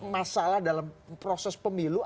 masalah dalam proses pemilu